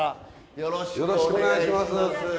よろしくお願いします。